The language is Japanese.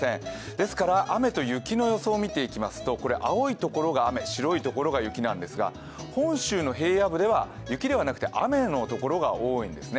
ですから雨と雪の予想を見ていきますと青いところが雨、白いところが雪なんですが、本州の平野部では雪ではなくて雨のところが多いんですね。